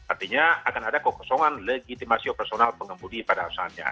artinya akan ada kekosongan legitimasi operasional pengembudi pada usahanya